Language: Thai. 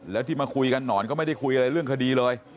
แล้วที่มาคุยกันหนอนก็ไม่ได้คุยอะไรเรื่องคดีเลย